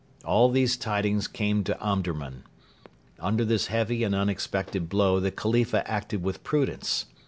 All these tidings came to Omdurman. Under this heavy and unexpected blow the Khalifa acted with prudence.